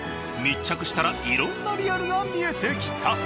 密着したらいろんなリアルが見えてきた。